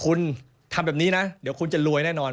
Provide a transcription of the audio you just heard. คุณทำแบบนี้นะเดี๋ยวคุณจะรวยแน่นอน